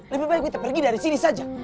lebih baik kita pergi dari sini saja